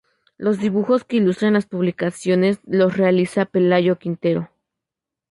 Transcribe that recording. Los dibujos que ilustran las publicaciones los realiza Pelayo Quintero.